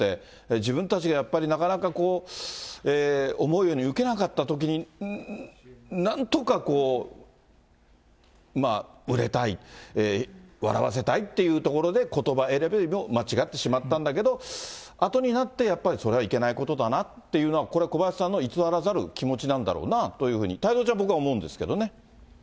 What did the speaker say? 自分たちがやっぱり、なかなかこう、思うように受けなかったときに、なんとかこう、売れたい、笑わせたいっていうところで、ことば選びを間違ってしまったんだけど、あとになってやっぱり、それはいけないことだなっていうのは、これは小林さんの偽らざる気持ちなんだろうなというふうに、太蔵ちゃん、僕は思うんですけどね。